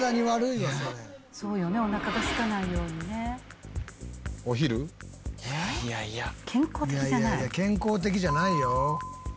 いやいやいや健康的じゃないよ。